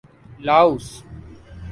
Laos